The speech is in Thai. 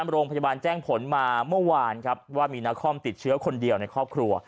โรงพยาบาลแจ้งผลมาเมื่อวานครับว่ามีนาคอมติดเชื้อคนเดียวในครอบครัว